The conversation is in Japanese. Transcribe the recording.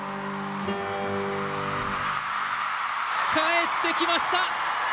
帰ってきました。